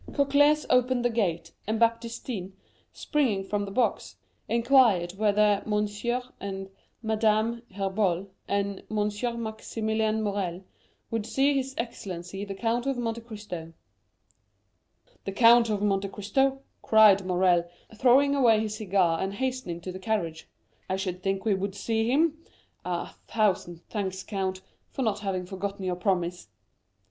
Cocles opened the gate, and Baptistin, springing from the box, inquired whether Monsieur and Madame Herbault and Monsieur Maximilian Morrel would see his excellency the Count of Monte Cristo. "The Count of Monte Cristo?" cried Morrel, throwing away his cigar and hastening to the carriage; "I should think we would see him. Ah, a thousand thanks, count, for not having forgotten your promise."